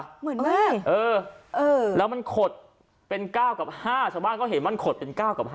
เหมือนมากเออแล้วมันขดเป็น๙กับ๕ชาวบ้านก็เห็นมันขดเป็น๙กับ๕